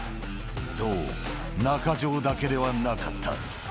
そう、中城だけではなかった。